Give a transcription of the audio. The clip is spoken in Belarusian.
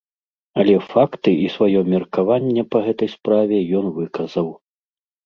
Але факты і сваё меркаванне па гэтай справе ён выказаў.